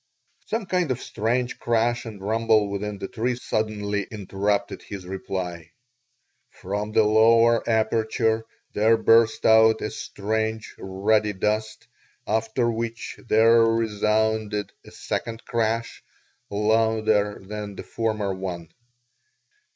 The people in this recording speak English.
Some kind of strange crash and rumble within the tree suddenly interrupted his reply. From the lower aperture there burst out a strange ruddy dust, after which there resounded a second crash, louder than the former one.